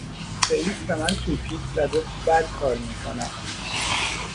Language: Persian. رئیس به من توپید و گفت بد کار میکنم.